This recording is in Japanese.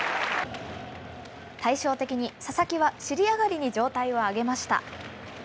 対照的に、佐々木は尻上がりに状態を上げました。